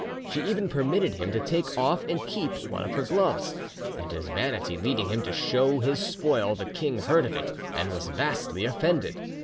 She even permitted him to take off and keep one of her gloves, and his vanity leading him to show his spoil, the king heard of it, and was vastly offended.